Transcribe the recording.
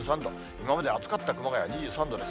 今まで暑かった熊谷、２３度です。